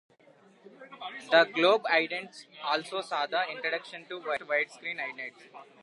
The globe idents also saw the introduction of Widescreen, including the first widescreen idents.